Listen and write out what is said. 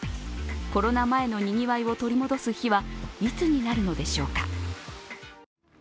コロナ前のにぎわいを取り戻す日はいつになるのでしょうか。